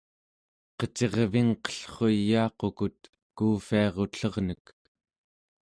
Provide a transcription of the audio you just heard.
qecirvingqellruyaaqut kuuvviarutlernek